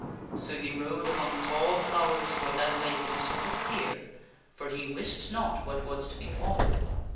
So he rode among tall flowers toward that lake in a sort of fear, for he wist not what was to befall him.